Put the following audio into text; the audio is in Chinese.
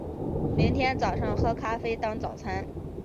明天早上喝咖啡当早餐